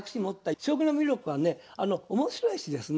将棋の魅力はね面白いしですね